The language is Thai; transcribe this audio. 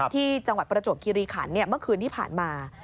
ที่จังหวัดประโจทธิ์กีรีขันมักคืนที่ผ่านมา